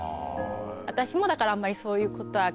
私もだからあんまりそういうことは。